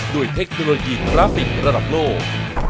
เทคโนโลยีกราฟิกระดับโลก